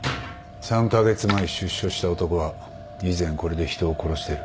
３カ月前出所した男は以前これで人を殺してる。